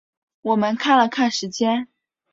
我们看了看时间